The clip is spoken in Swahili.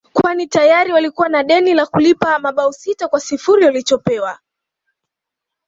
kwani tayari walikuwa na deni la kulipa mabao sita kwa sifuri walichopewa